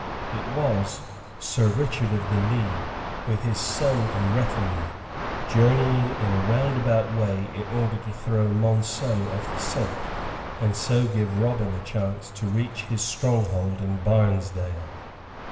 It was Sir Richard of the Lee, with his son and retinue, journeying in a roundabout way in order to throw Monceux off the scent, and so give Robin a chance to reach his stronghold in Barnesdale.